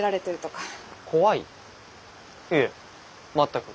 いえ全く。